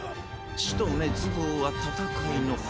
死と滅亡は戦いの華。